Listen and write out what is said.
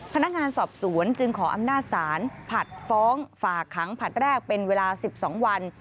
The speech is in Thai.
พนักงานสอบสวนจึงขออำนาจศาลผัดฟ้องฝากขังผลัดแรกเป็นเวลา๑๒วัน